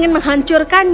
dia merk batteract